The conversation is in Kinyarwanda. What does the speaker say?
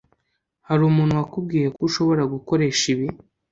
Hari umuntu wakubwiye ko ushobora gukoresha ibi